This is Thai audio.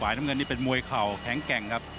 ผ่ายน้ำเงินนี่เป็นมวยเข่าแข็งครับ